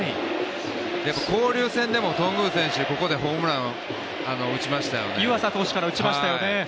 でも交流戦でも頓宮選手、ここでホームラン打ちましたよね。